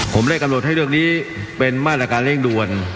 ผมได้กำหนดให้เรื่องนี้เป็นมาตรการเร่งด่วน